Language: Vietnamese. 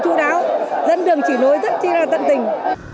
chú đáo dẫn đường chỉ nối rất tân tình